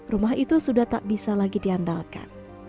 rumah itu sudah tak bisa lagi diandalkan